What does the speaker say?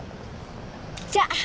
じゃあ！